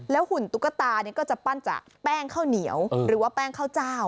หุ่นตุ๊กตาก็จะปั้นจากแป้งข้าวเหนียวหรือว่าแป้งข้าวเจ้า